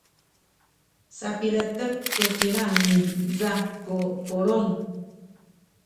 sapiletek tu kilang niza ku pulung.